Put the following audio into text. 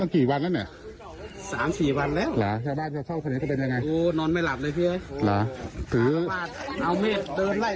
เขาเป็นบ่อยมั้ย